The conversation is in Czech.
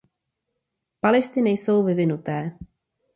Palisty nejsou vyvinuté.